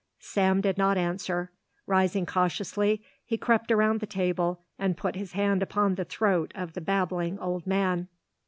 Sam did not answer. Rising cautiously, he crept around the table and put his hand upon the throat of the babbling old man.